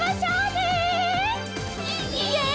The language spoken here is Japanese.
イエイ！